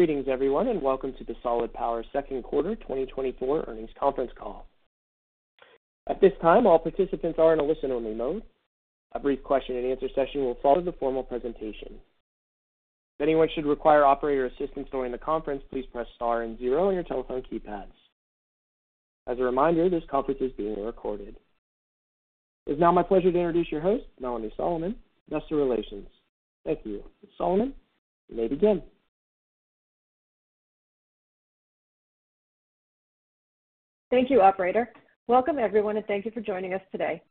Greetings, everyone, and welcome to the Solid Power Second Quarter 2024 Earnings Conference Call. At this time, all participants are in a listen-only mode. A brief question-and-answer session will follow the formal presentation. If anyone should require operator assistance during the conference, please press Star and zero on your telephone keypads. As a reminder, this conference is being recorded. It's now my pleasure to introduce your host, Melanie Solomon, Investor Relations. Thank you. Solomon, you may begin. Thank you, Operator. Welcome, everyone, and thank you for joining us today.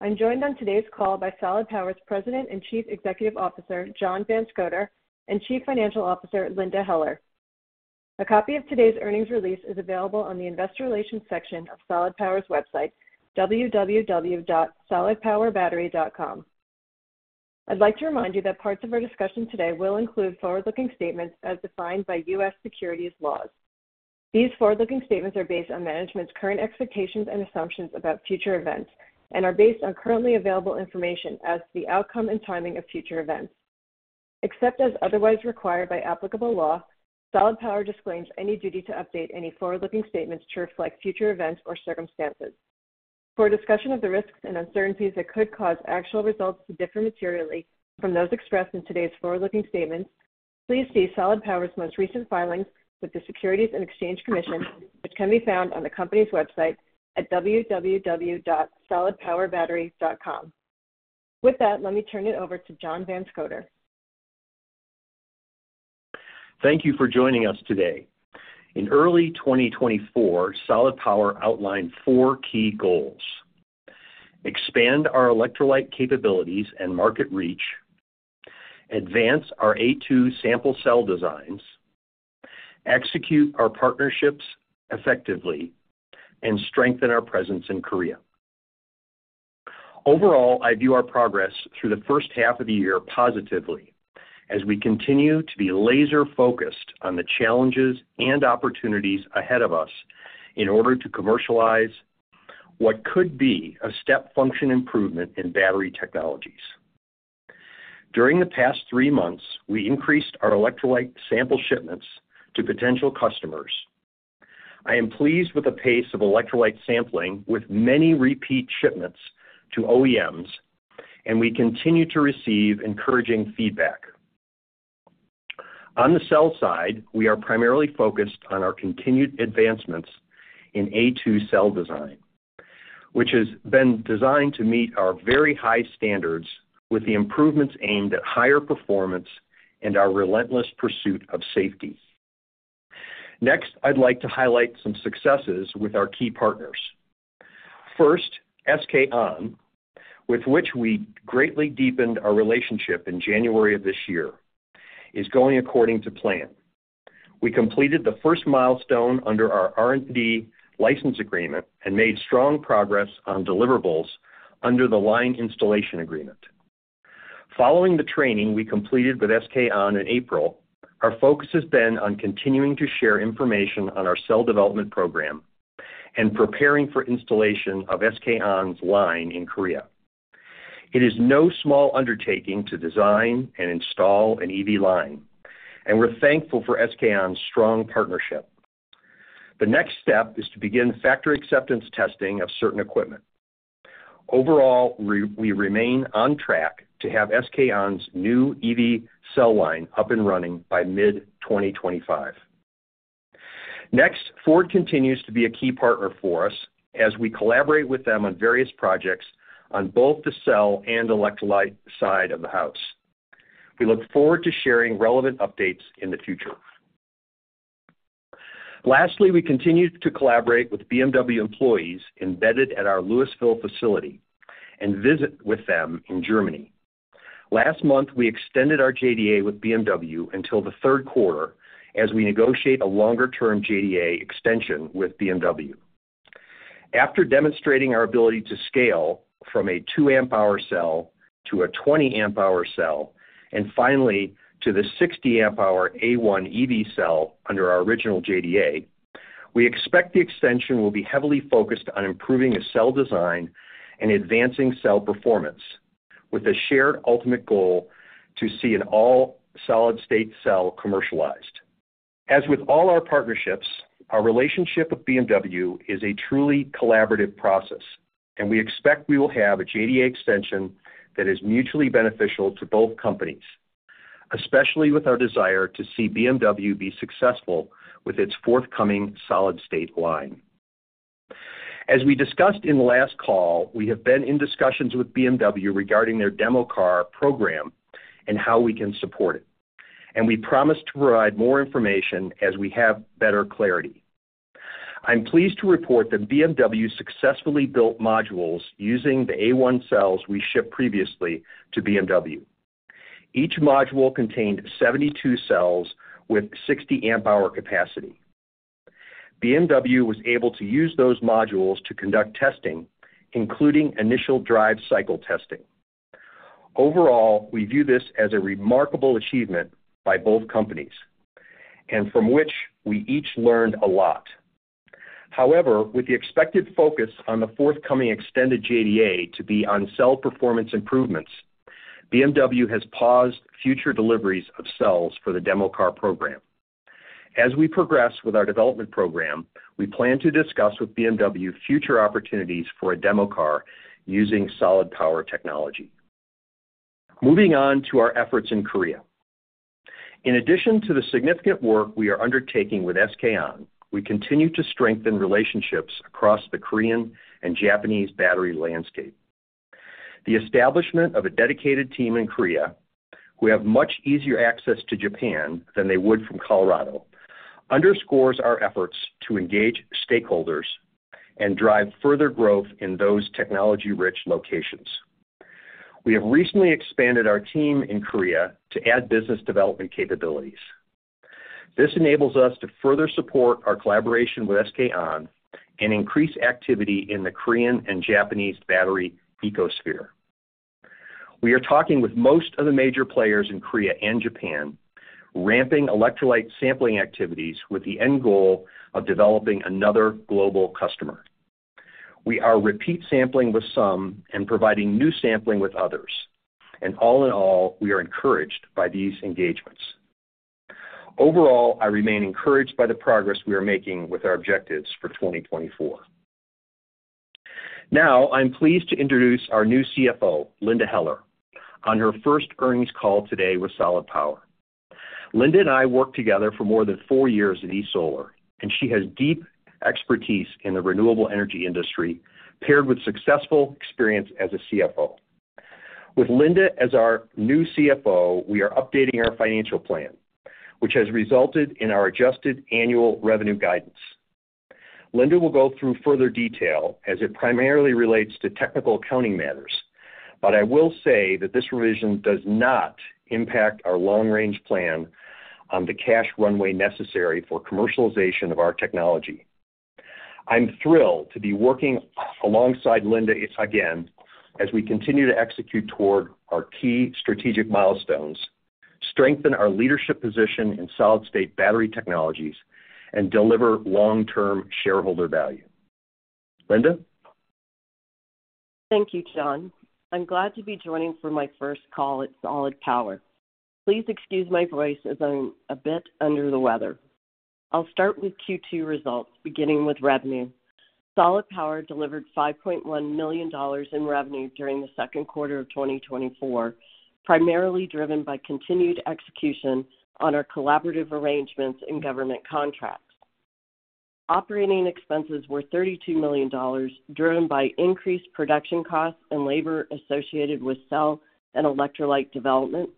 I'm joined on today's call by Solid Power's President and Chief Executive Officer, John Van Scoter, and Chief Financial Officer, Linda Heller. A copy of today's earnings release is available on the Investor Relations section of Solid Power's website, www.solidpowerbattery.com. I'd like to remind you that parts of our discussion today will include forward-looking statements as defined by U.S. securities laws. These forward-looking statements are based on management's current expectations and assumptions about future events and are based on currently available information as to the outcome and timing of future events. Except as otherwise required by applicable law, Solid Power disclaims any duty to update any forward-looking statements to reflect future events or circumstances. For a discussion of the risks and uncertainties that could cause actual results to differ materially from those expressed in today's forward-looking statements, please see Solid Power's most recent filings with the Securities and Exchange Commission, which can be found on the company's website at www.solidpowerbattery.com. With that, let me turn it over to John Van Scoter. Thank you for joining us today. In early 2024, Solid Power outlined four key goals: expand our electrolyte capabilities and market reach, advance our A-2 sample cell designs, execute our partnerships effectively, and strengthen our presence in Korea. Overall, I view our progress through the first half of the year positively as we continue to be laser-focused on the challenges and opportunities ahead of us in order to commercialize what could be a step function improvement in battery technologies. During the past three months, we increased our electrolyte sample shipments to potential customers. I am pleased with the pace of electrolyte sampling, with many repeat shipments to OEMs, and we continue to receive encouraging feedback. On the cell side, we are primarily focused on our continued advancements in A-2 cell design, which has been designed to meet our very high standards, with the improvements aimed at higher performance and our relentless pursuit of safety. Next, I'd like to highlight some successes with our key partners. First, SK On, with which we greatly deepened our relationship in January of this year, is going according to plan. We completed the first milestone under our R&D license agreement and made strong progress on deliverables under the line installation agreement. Following the training we completed with SK On in April, our focus has been on continuing to share information on our cell development program and preparing for installation of SK On's line in Korea. It is no small undertaking to design and install an EV line, and we're thankful for SK On's strong partnership. The next step is to begin factory acceptance testing of certain equipment. Overall, we remain on track to have SK On's new EV cell line up and running by mid-2025. Next, Ford continues to be a key partner for us as we collaborate with them on various projects on both the cell and electrolyte side of the house. We look forward to sharing relevant updates in the future. Lastly, we continue to collaborate with BMW employees embedded at our Louisville facility and visit with them in Germany. Last month, we extended our JDA with BMW until the third quarter as we negotiate a longer-term JDA extension with BMW. After demonstrating our ability to scale from a 2 Ah cell to a 20 Ah cell, and finally to the 60 Ah A-1 EV cell under our original JDA, we expect the extension will be heavily focused on improving a cell design and advancing cell performance, with a shared ultimate goal to see an all solid-state cell commercialized. As with all our partnerships, our relationship with BMW is a truly collaborative process, and we expect we will have a JDA extension that is mutually beneficial to both companies, especially with our desire to see BMW be successful with its forthcoming solid-state line. As we discussed in the last call, we have been in discussions with BMW regarding their demo car program and how we can support it, and we promise to provide more information as we have better clarity. I'm pleased to report that BMW successfully built modules using the A-1 cells we shipped previously to BMW. Each module contained 72 cells with 60 Ah capacity. BMW was able to use those modules to conduct testing, including initial drive cycle testing. Overall, we view this as a remarkable achievement by both companies, and from which we each learned a lot. However, with the expected focus on the forthcoming extended JDA to be on cell performance improvements, BMW has paused future deliveries of cells for the demo car program. As we progress with our development program, we plan to discuss with BMW future opportunities for a demo car using Solid Power technology. Moving on to our efforts in Korea. In addition to the significant work we are undertaking with SK On, we continue to strengthen relationships across the Korean and Japanese battery landscape. The establishment of a dedicated team in Korea, who have much easier access to Japan than they would from Colorado, underscores our efforts to engage stakeholders and drive further growth in those technology-rich locations. We have recently expanded our team in Korea to add business development capabilities. This enables us to further support our collaboration with SK On and increase activity in the Korean and Japanese battery ecosystem. We are talking with most of the major players in Korea and Japan, ramping electrolyte sampling activities with the end goal of developing another global customer. We are repeat sampling with some and providing new sampling with others, and all in all, we are encouraged by these engagements. Overall, I remain encouraged by the progress we are making with our objectives for 2024. Now, I'm pleased to introduce our new CFO, Linda Heller, on her first earnings call today with Solid Power. Linda and I worked together for more than four years at eSolar, and she has deep expertise in the renewable energy industry, paired with successful experience as a CFO. With Linda as our new CFO, we are updating our financial plan, which has resulted in our adjusted annual revenue guidance. Linda will go through further detail as it primarily relates to technical accounting matters, but I will say that this revision does not impact our long-range plan on the cash runway necessary for commercialization of our technology. I'm thrilled to be working alongside Linda again as we continue to execute toward our key strategic milestones, strengthen our leadership position in solid-state battery technologies, and deliver long-term shareholder value. Linda? Thank you, John. I'm glad to be joining for my first call at Solid Power. Please excuse my voice as I'm a bit under the weather. I'll start with Q2 results, beginning with revenue. Solid Power delivered $5.1 million in revenue during the second quarter of 2024, primarily driven by continued execution on our collaborative arrangements and government contracts. Operating expenses were $32 million, driven by increased production costs and labor associated with cell and electrolyte development,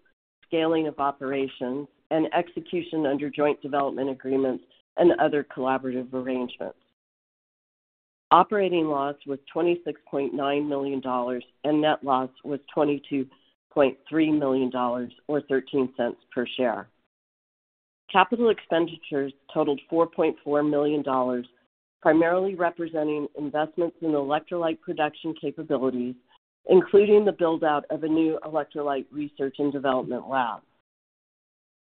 scaling of operations, and execution under joint development agreements and other collaborative arrangements. Operating loss was $26.9 million, and net loss was $22.3 million, or $0.13 per share. Capital expenditures totaled $4.4 million, primarily representing investments in electrolyte production capabilities, including the build-out of a new electrolyte research and development lab.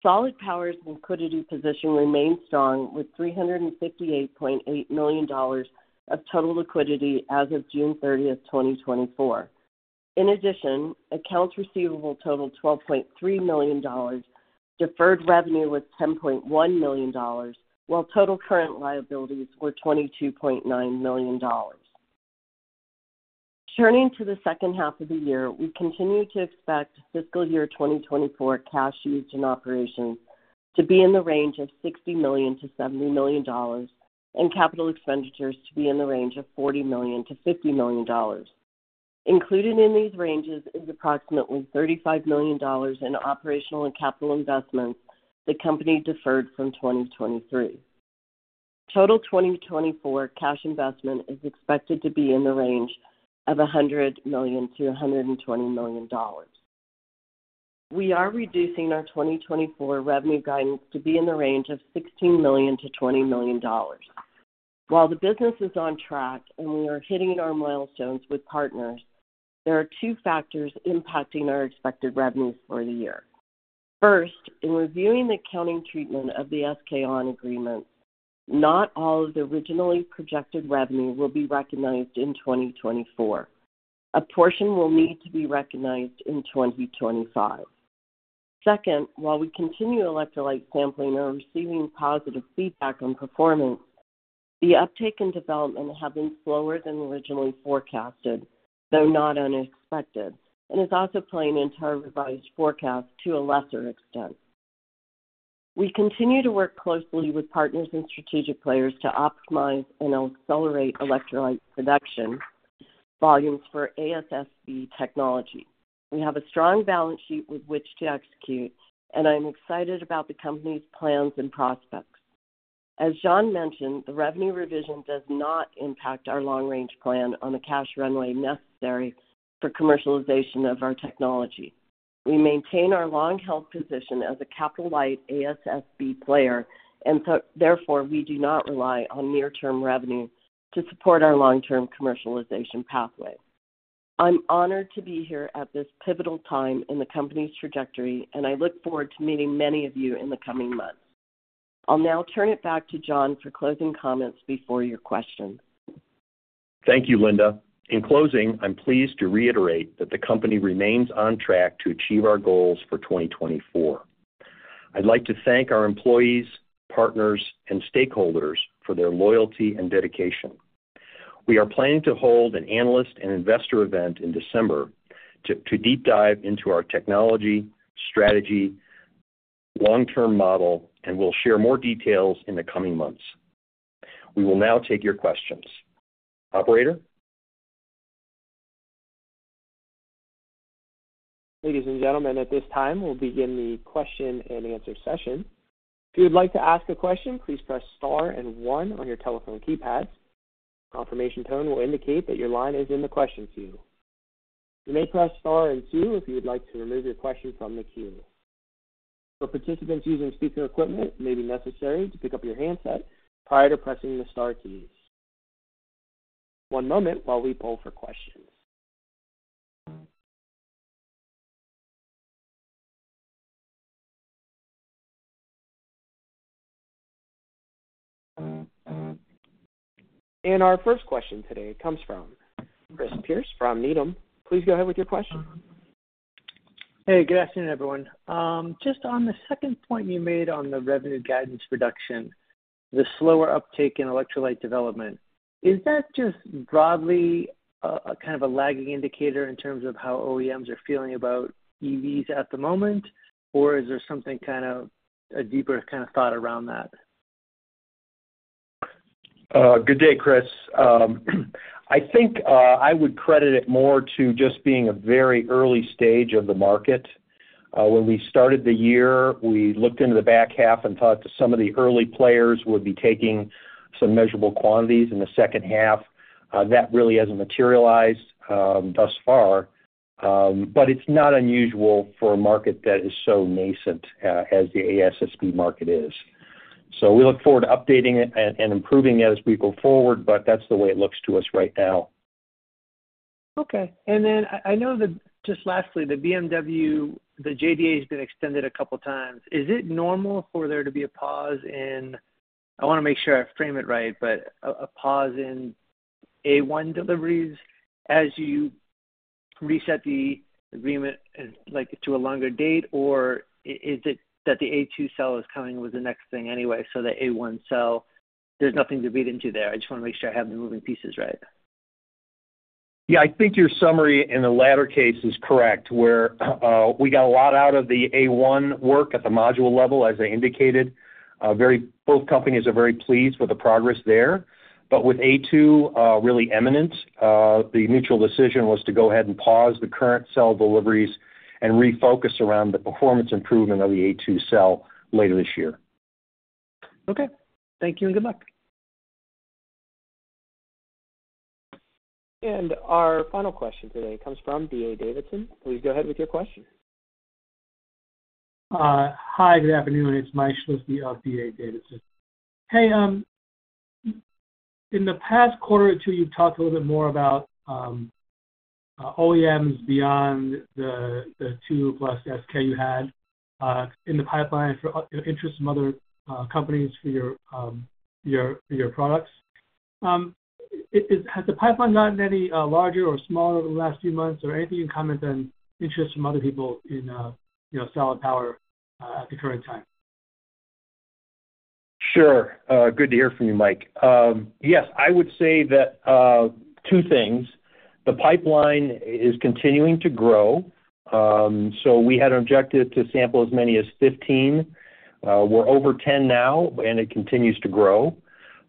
Solid Power's liquidity position remains strong, with $358.8 million of total liquidity as of June 30, 2024. In addition, accounts receivable totaled $12.3 million, deferred revenue was $10.1 million, while total current liabilities were $22.9 million. Turning to the second half of the year, we continue to expect fiscal year 2024 cash used in operations to be in the range of $60 million-$70 million, and capital expenditures to be in the range of $40 million-$50 million. Included in these ranges is approximately $35 million in operational and capital investments the company deferred from 2023. Total 2024 cash investment is expected to be in the range of $100 million-$120 million. We are reducing our 2024 revenue guidance to be in the range of $16 million-$20 million. While the business is on track and we are hitting our milestones with partners, there are two factors impacting our expected revenues for the year. First, in reviewing the accounting treatment of the SK On agreement, not all of the originally projected revenue will be recognized in 2024. A portion will need to be recognized in 2025. Second, while we continue electrolyte sampling and are receiving positive feedback on performance, the uptake and development have been slower than originally forecasted, though not unexpected, and is also playing into our revised forecast to a lesser extent. We continue to work closely with partners and strategic players to optimize and accelerate electrolyte production volumes for ASSB technology. We have a strong balance sheet with which to execute, and I'm excited about the company's plans and prospects. As John mentioned, the revenue revision does not impact our long-range plan on the cash runway necessary for commercialization of our technology. We maintain our long-held position as a capital-light ASSB player, and so therefore, we do not rely on near-term revenue to support our long-term commercialization pathway.... I'm honored to be here at this pivotal time in the company's trajectory, and I look forward to meeting many of you in the coming months. I'll now turn it back to John for closing comments before your questions. Thank you, Linda. In closing, I'm pleased to reiterate that the company remains on track to achieve our goals for 2024. I'd like to thank our employees, partners, and stakeholders for their loyalty and dedication. We are planning to hold an analyst and investor event in December to deep dive into our technology, strategy, long-term model, and we'll share more details in the coming months. We will now take your questions. Operator? Ladies and gentlemen, at this time, we'll begin the question-and-answer session. If you'd like to ask a question, please press star and one on your telephone keypad. Confirmation tone will indicate that your line is in the question queue. You may press star and two if you would like to remove your question from the queue. For participants using speaker equipment, it may be necessary to pick up your handset prior to pressing the star keys. One moment while we poll for questions. Our first question today comes from Chris Pierce from Needham. Please go ahead with your question. Hey, good afternoon, everyone. Just on the second point you made on the revenue guidance reduction, the slower uptake in electrolyte development, is that just broadly a kind of lagging indicator in terms of how OEMs are feeling about EVs at the moment? Or is there something kind of a deeper kind of thought around that? Good day, Chris. I think I would credit it more to just being a very early stage of the market. When we started the year, we looked into the back half and thought that some of the early players would be taking some measurable quantities in the second half. That really hasn't materialized, thus far, but it's not unusual for a market that is so nascent, as the ASSB market is. So we look forward to updating it and improving it as we go forward, but that's the way it looks to us right now. Okay. And then I know that just lastly, the BMW, the JDA has been extended a couple of times. Is it normal for there to be a pause in... I wanna make sure I frame it right, but a pause in A-1 deliveries as you reset the agreement, like, to a longer date, or is it that the A-2 cell is coming with the next thing anyway, so the A-1 cell, there's nothing to read into there? I just wanna make sure I have the moving pieces right. Yeah, I think your summary in the latter case is correct, where we got a lot out of the A-1 work at the module level, as I indicated. Both companies are very pleased with the progress there. But with A-2, really imminent, the mutual decision was to go ahead and pause the current cell deliveries and refocus around the performance improvement of the A-2 cell later this year. Okay. Thank you, and good luck. Our final question today comes from D.A. Davidson. Please go ahead with your question. Hi, good afternoon. It's Mike Shlisky of D.A. Davidson. Hey, in the past quarter or two, you've talked a little bit more about OEMs beyond the two plus SK you had in the pipeline for interest from other companies for your products. Has the pipeline gotten any larger or smaller over the last few months, or anything you can comment on interest from other people in, you know, Solid Power at the current time? Sure. Good to hear from you, Mike. Yes, I would say that, two things: The pipeline is continuing to grow. So we had an objective to sample as many as 15. We're over 10 now, and it continues to grow.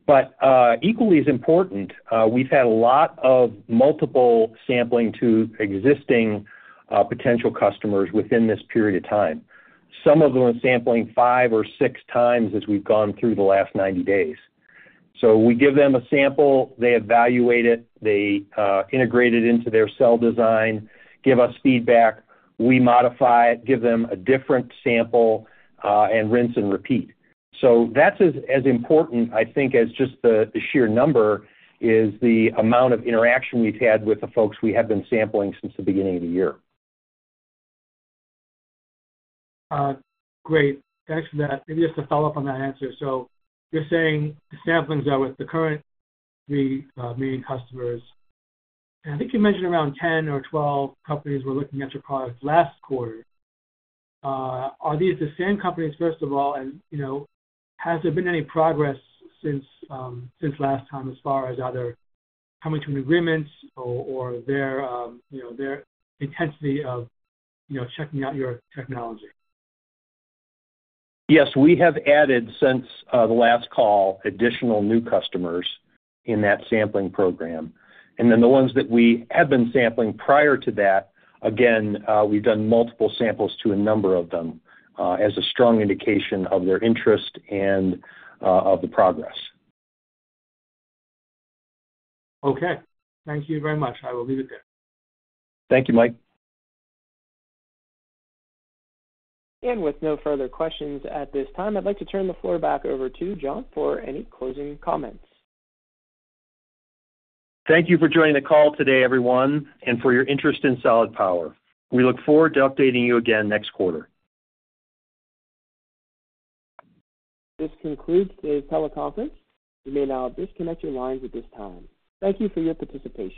But, equally as important, we've had a lot of multiple sampling to existing, potential customers within this period of time. Some of them are sampling five or six times as we've gone through the last 90 days. So we give them a sample, they evaluate it, they integrate it into their cell design, give us feedback, we modify it, give them a different sample, and rinse and repeat. So that's as important, I think, as just the sheer number is the amount of interaction we've had with the folks we have been sampling since the beginning of the year. Great. Thanks for that. Maybe just to follow up on that answer. So you're saying the samplings are with the current three main customers. I think you mentioned around 10 or 12 companies were looking at your products last quarter. Are these the same companies, first of all, and, you know, has there been any progress since last time, as far as either coming to agreements or their, you know, their intensity of, you know, checking out your technology? Yes, we have added, since the last call, additional new customers in that sampling program. And then the ones that we have been sampling prior to that, again, we've done multiple samples to a number of them, as a strong indication of their interest and, of the progress. Okay. Thank you very much. I will leave it there. Thank you, Mike. With no further questions at this time, I'd like to turn the floor back over to John for any closing comments. Thank you for joining the call today, everyone, and for your interest in Solid Power. We look forward to updating you again next quarter. This concludes the teleconference. You may now disconnect your lines at this time. Thank you for your participation.